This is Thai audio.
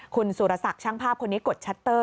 คุณสุรศักดิ์ช่างภาพคนนี้กดชัตเตอร์